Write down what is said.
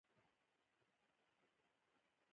دا خبرې باید په پښتو ژبه ولیکل شي.